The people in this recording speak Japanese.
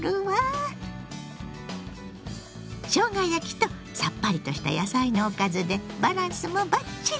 しょうが焼きとさっぱりとした野菜のおかずでバランスもバッチリ！